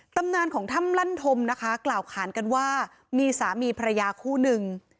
ตำนานของถ้ำลั่นธมนะคะกล่าวขานกันว่ามีสามีภรรยาคู่นึง